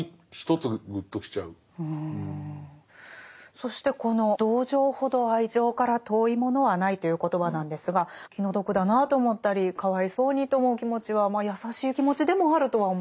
そしてこの「同情ほど愛情から遠いものはない」という言葉なんですが気の毒だなと思ったりかわいそうにと思う気持ちは優しい気持ちでもあるとは思いますけど。